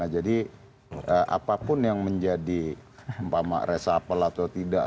jadi apapun yang menjadi resapel atau tidak